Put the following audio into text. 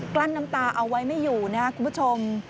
ลั้นน้ำตาเอาไว้ไม่อยู่นะครับคุณผู้ชม